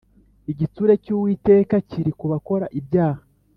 Igitsure cy Uwiteka kiri ku bakora ibyaha